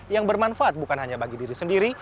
yang bermanfaat bukan hanya bagi diri sendiri